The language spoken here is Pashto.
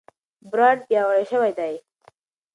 برانډ پیاوړی شوی دی.